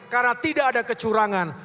karena tidak ada kecurangan